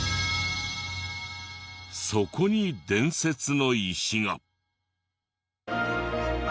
そこに伝説の石が。